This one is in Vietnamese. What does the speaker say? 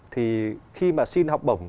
thì khi mà xin học bổng